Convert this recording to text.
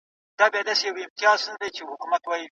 روښانه فکر پرمختګ نه کموي.